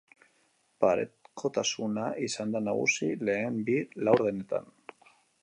Parekotasuna izan da nagusi lehen bi laurdenetan.